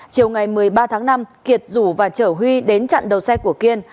chiều ngày một mươi ba tháng năm kiệt rủ và chở huy đến chặn đầu xe của kiên